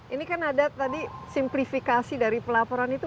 ini kan ada tadi simplifikasi dari pelaporan itu